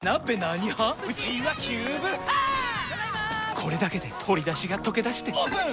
これだけで鶏だしがとけだしてオープン！